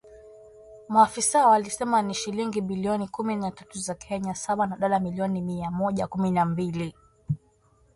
Maafisa walisema ni shilingi bilioni kumi na tatu za Kenya sawa na dola milioni mia moja kumi na mbili